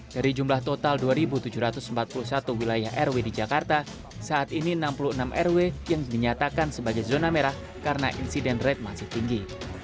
dari jumlah total dua tujuh ratus empat puluh satu wilayah rw di jakarta saat ini enam puluh enam rw yang dinyatakan sebagai zona merah karena insiden rate masih tinggi